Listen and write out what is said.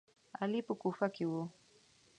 علي په کوفه کې و.